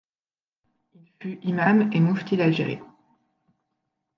Il fut imam et moufti d'Algérie.